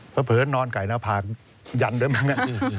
เพราะเผลอนอนไก่นภาคยันด้วยมั้ง